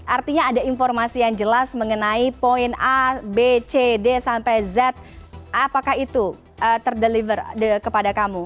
artinya ada informasi yang jelas mengenai poin a b c d sampai z apakah itu terdeliver kepada kamu